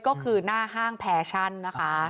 ก็คือหน้าห้างแฟชั่นนะคะ